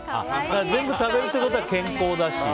全部食べるってことは健康だし。